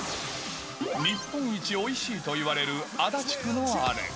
日本一おいしいと言われる足立区のあれ。